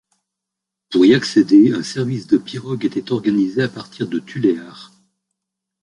Pour y accéder un service de pirogues était organisé à partir de Tuléar.